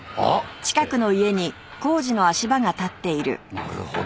なるほど。